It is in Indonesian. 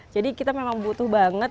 kita memang butuh banget